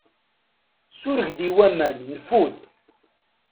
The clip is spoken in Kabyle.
Sureg-d i waman nfud.